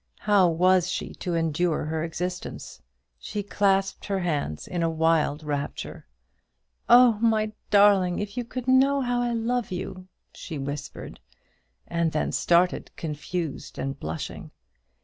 How was she to endure her existence? She clasped her hands in a wild rapture. "Oh, my darling, if you could know how I love you!" she whispered, and then started, confused and blushing.